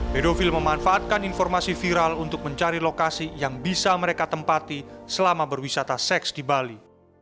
pedofil memanfaatkan informasi viral untuk mencari lokasi yang bisa mereka tempati selama berwisata seks di bali